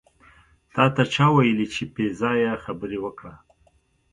تاته چا وېل چې پې ځایه خبرې وکړه.